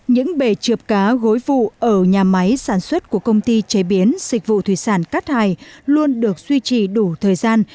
những bề chượp cá gối vụ ở nhà máy sản xuất của công ty chế biến sịch vụ thủy sản cát hải luôn được duy trì đủ thời gian